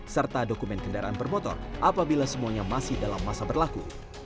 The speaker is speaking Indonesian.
serta dokumen kendaraan bermotor apabila semuanya masih dalam masa berlaku